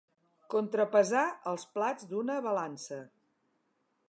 Contrapesar els plats d'una balança.